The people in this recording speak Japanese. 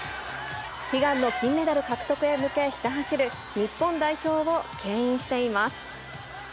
悲願の金メダル獲得へ向け、ひた走る日本代表を、けん引しています。